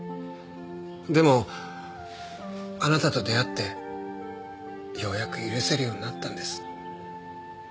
でもあなたと出会ってようやく許せるようになったんです。